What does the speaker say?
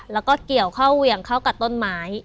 แล้วก็เกี่ยวเข้าเหวี่ยงเข้ากับต้นไม้